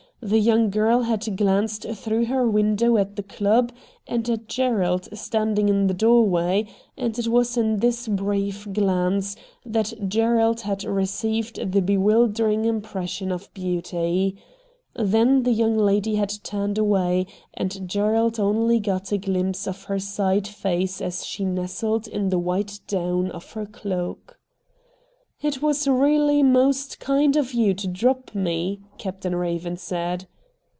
The young girl had glanced through her window at the club and at Gerald standing in the doorway, and it was in this brief glance that Gerald had received the bewildering impression of beauty. Then the young lady had turned away, and Gerald only got a glimpse of her side face as she nestled in the white down of her cloak. ' It was really most kind of you to drop me,' Captain Eaven said.